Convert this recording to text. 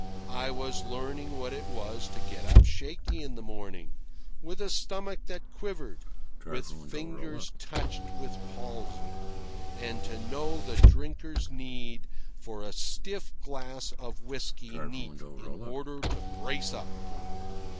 I was learning what it was to get up shaky in the morning, with a stomach that quivered, with fingers touched with palsy, and to know the drinker's need for a stiff glass of whisky neat in order to brace up.